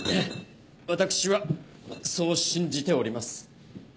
私はそう信じております。